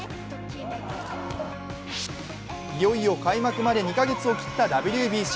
いよいよ開幕まで２か月を切ったＷＢＣ。